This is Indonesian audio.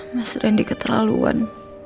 mas rendi keterlaluan